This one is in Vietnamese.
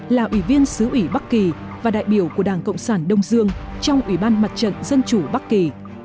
là ủy viên xứ ủy bắc kỳ và đại biểu của đảng cộng sản đông dương trong ủy ban mặt trận dân chủ bắc kỳ